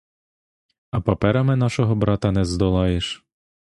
А паперами нашого брата не здолаєш!